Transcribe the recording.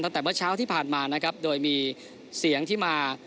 ตั้งแต่เมื่อเช้าที่ผ่านมานะครับโดยมีเสียงที่มา